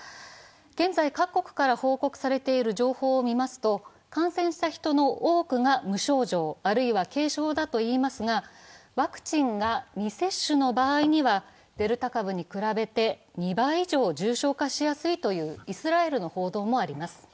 現在、各国から報告されている情報を見ますと、感染した人の多くが無症状、あるいは軽症だといいますがワクチンが未接種の場合にはデルタ株に比べて２倍以上重症化しやすいというイスラエルの報道もあります。